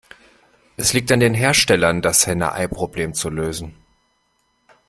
Es liegt an den Herstellern, das Henne-Ei-Problem zu lösen.